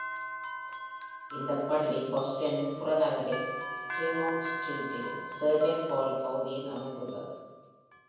இந்தப் பள்ளி Boston-ன் புறநகரில் Tremont Street-இல் Sargent Hall பகுதியில் அமைந்துள்ளது.